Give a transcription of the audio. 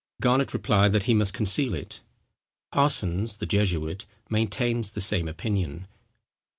Garnet replied that he must conceal it. Parsons, the jesuit, maintains the same opinion.